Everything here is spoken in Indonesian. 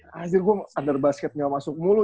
hasil gue under basketnya masuk mulu